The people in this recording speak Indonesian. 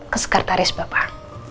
ke sekretaris bapak